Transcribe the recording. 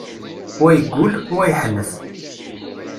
Wa yeggul, wa yeḥnet.